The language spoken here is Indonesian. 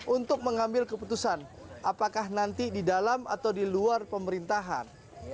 untuk mengambil keputusan apakah nanti di dalam atau di luar pemerintahan